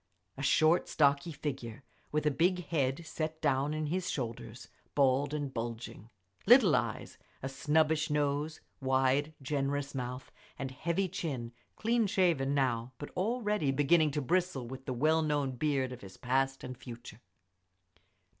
A short, stocky figure, with a big head set down in his shoulders, bald and bulging. Little eyes, a snubbish nose, wide, generous mouth, and heavy chin; clean shaven now, but already beginning to bristle with the well known beard of his past and future.